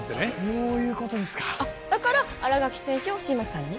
こういうことですかだから新垣選手を新町さんに？